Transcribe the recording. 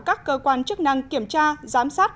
các cơ quan chức năng kiểm tra giám sát